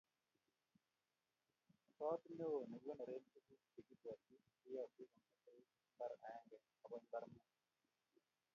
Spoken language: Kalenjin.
Got neo nekikonore tuguk chekibwoti keyotei kongetkei mbar aengr akoi mbar mut